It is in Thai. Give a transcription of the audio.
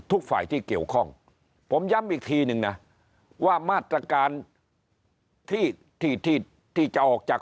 ทุกฝ่ายที่เกี่ยวข้องผมย้ำอีกทีนึงนะว่ามาตรการที่ที่จะออกจาก